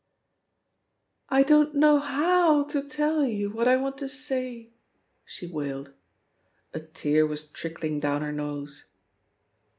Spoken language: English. "" 'I don't know how to tell you what I want to say,' " she wailei A tear was trickling down her nose.